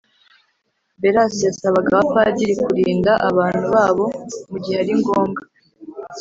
Beras yasabaga abapadiri kurinda abantu babo mugihe ari ngombwa